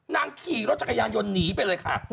ขี่รถจักรยานยนต์หนีไปเลยค่ะ